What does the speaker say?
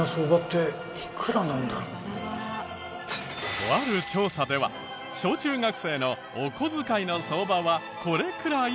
とある調査では小中学生のお小遣いの相場はこれくらい。